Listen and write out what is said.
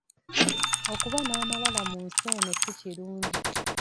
Okuba n’amalala mu nsi eno si kirungi.